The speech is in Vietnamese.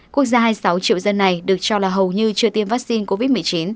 quốc gia sáu triệu dân này được cho là hầu như chưa tiêm vaccine covid một mươi chín